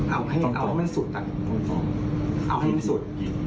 เอาให้มันสุดอ่ะเอาให้มันสุด